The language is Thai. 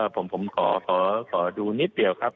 ผมขอดูนิดเดียวครับ